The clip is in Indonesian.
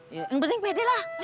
yang penting pede lah